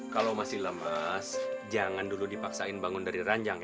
kalau masih lemas jangan dulu dipaksain bangun dari ranjang